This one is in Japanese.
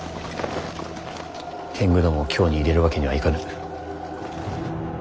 天狗どもを京に入れるわけにはいかぬ。